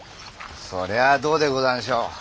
そりゃあどうでござんしょう。